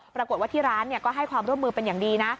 ปรากฏว่าที่ร้านก็ให้ความร่วมมือเป็นอย่างดีนะ